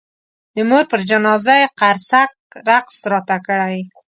د مور پر جنازه یې قرصک رقص راته کړی.